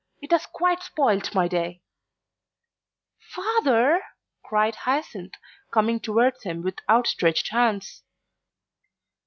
It has quite spoilt my day." "Father!" cried Hyacinth, coming towards him with outstretched hands.